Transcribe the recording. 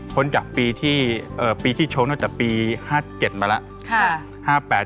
คนจากปีที่ชกน่าจะปี๕๗มาแล้ว